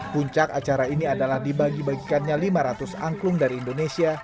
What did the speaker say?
puncak acara ini adalah dibagi bagikannya lima ratus angklung dari indonesia